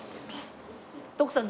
徳さん